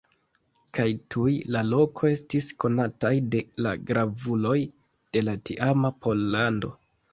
Kaj tuj la loko estis konataj de la gravuloj de la tiama Pollando.